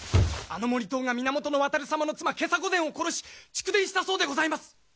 あの盛遠が源渡様の妻袈裟御前を殺し逐電したそうでございます！